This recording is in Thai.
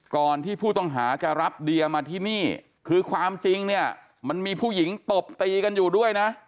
ก่อนที่ผู้ต้องหาจะรับเดียมาที่นี่คือความจริงเนี่ยมันมีผู้หญิงตบตีกันอยู่ด้วยนะ